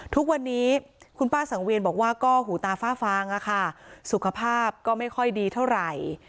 ทุกวันนี้คุณป้าสังเวียนบอกว่าก็หูตาฟ้าฟางอะค่ะสุขภาพก็ไม่ค่อยดีเท่าไหร่